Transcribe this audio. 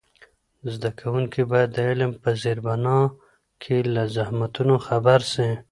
زده کوونکي باید د علم په زېربنا کې له زحمتونو خبر سي.